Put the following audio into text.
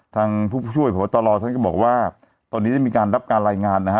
ทางผู้ช่วยพบตรท่านก็บอกว่าตอนนี้ได้มีการรับการรายงานนะฮะ